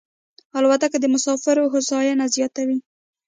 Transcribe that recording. الوتکه د مسافرو هوساینه زیاتوي.